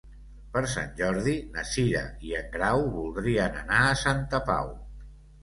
Per Sant Jordi na Cira i en Grau voldrien anar a Santa Pau.